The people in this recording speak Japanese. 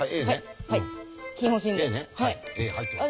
入ってます。